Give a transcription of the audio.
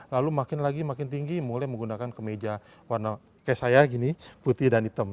lalu makin lagi makin tinggi mulai menggunakan kemeja warna kayak saya gini putih dan hitam